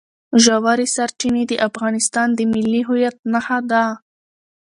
ژورې سرچینې د افغانستان د ملي هویت نښه ده.